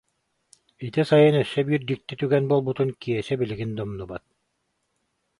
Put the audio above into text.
Ити сайын өссө биир дьикти түгэн буолбутун Киэсэ билигин да умнубат